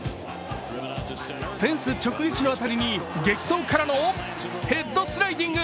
フェンス直撃の辺りに激走からのヘッドスライディング。